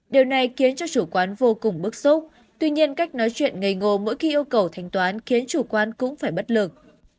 điều này khiến cho chủ quán vô cùng bức xúc tuy nhiên cách nói chuyện nghề gồ mỗi khi yêu cầu thanh toán khiến chủ quan cũng phải bất lực